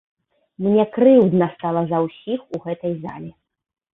Мне крыўдна стала за ўсіх у гэтай зале.